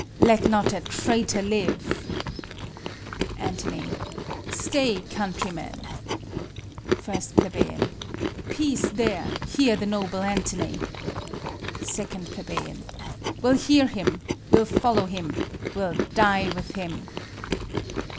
Let not a traitor live! Ant. Stay, countrymen. 1 Ple. Peace there! Hear the noble Antony. 2 Ple. We'll hear him, we'll follow him, we'll die with him.